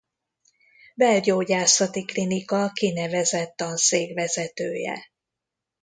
Belgyógyászati Klinika kinevezett tanszékvezetője.